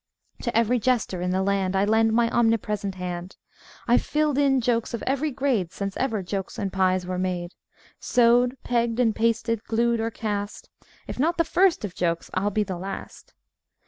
"To every Jester in the land, I lend my omnipresent hand; I've filled in Jokes of every grade Since ever Jokes and Pies were made; Sewed, pegged and pasted, glued or cast, If not the first of Jokes, I'll be the last."